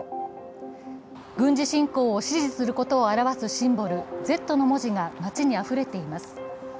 軍事侵攻を支持することを表するシンボル、「Ｚ」の文字が街にあふれています。